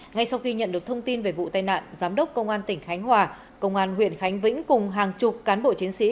ngay sau khi nhận được thông tin về vụ tai nạn giám đốc công an tỉnh khánh hòa công an huyện khánh vĩnh cùng hàng chục cán bộ chiến sĩ